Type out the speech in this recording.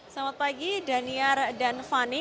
selamat pagi daniar dan fani